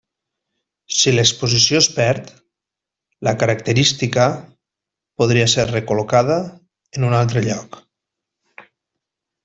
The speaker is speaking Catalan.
Si l'exposició es perd, la característica podria ser recol·locada en un altre lloc.